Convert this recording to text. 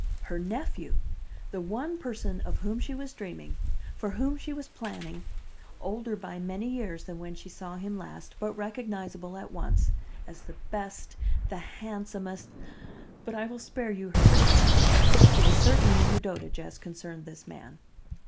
Her nephew! the one person of whom she was dreaming, for whom she was planning, older by many years than when she saw him last, but recognizable at once, as the best, the handsomest but I will spare you her ravings. She was certainly in her dotage as concerned this man.